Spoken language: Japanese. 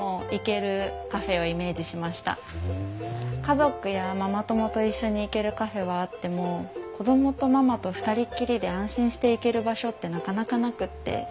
家族やママ友と一緒に行けるカフェはあっても子供とママと二人っきりで安心して行ける場所ってなかなかなくって。